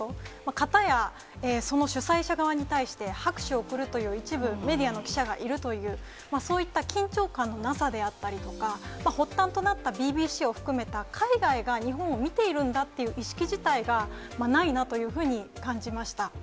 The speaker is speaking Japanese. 片や、その主催者側に対して拍手を送るという一部、メディアの記者がいるという、そういった緊張感のなさであったりとか、発端となったＢＢＣを含めた海外が日本を見ているんだっていう意識自体がないなというふうに感じました。